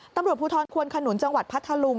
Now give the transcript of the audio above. ตำรวจภูทรควนขนุนจังหวัดพัทธลุง